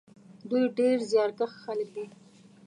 دوی ډېر زیارکښ خلک دي.